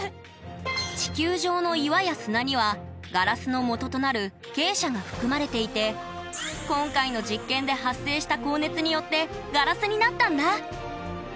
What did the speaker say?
地球上の岩や砂にはガラスのもととなるけい砂が含まれていて今回の実験で発生した高熱によってガラスになったんだ。